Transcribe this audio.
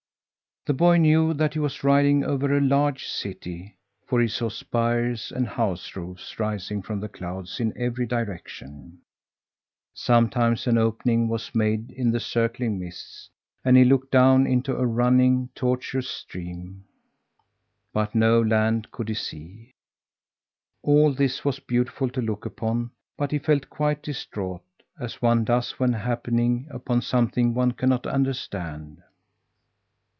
The boy knew that he was riding above a large city, for he saw spires and house roofs rising from the clouds in every direction. Sometimes an opening was made in the circling mists, and he looked down into a running, tortuous stream; but no land could he see. All this was beautiful to look upon, but he felt quite distraught as one does when happening upon something one cannot understand.